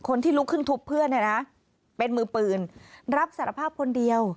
คนที่ลุกขึ้นทุบเพื่อนเนี่ยนะเป็นมือปืนรับสารภาพคนเดียว